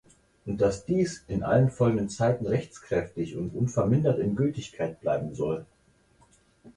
Und dass dies „in allen folgenden Zeiten rechtskräftig und unvermindert in Gültigkeit bleiben soll“.